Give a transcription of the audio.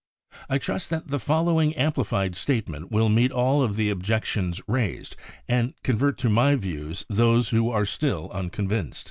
I trust that the following amplified statement will meet all of the objections raised and convert to my views those who are still unconvinced.